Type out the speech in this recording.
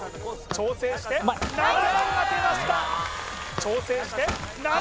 調整して７番当てました